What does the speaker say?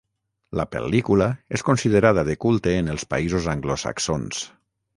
La pel·lícula és considerada de culte en els països anglosaxons.